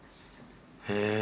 へえ！